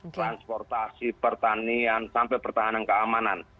transportasi pertanian sampai pertahanan keamanan